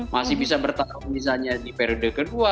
masih bisa bertarung misalnya di periode kedua